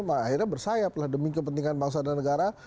akhirnya bersayap lah demi kepentingan bangsa dan negara